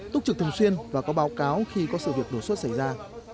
túc trực thường xuyên và có báo cáo khi có sự việc đột xuất xảy ra